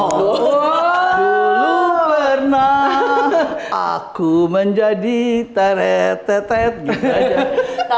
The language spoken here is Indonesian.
dulu pernah aku menjadi tere teteh gitu aja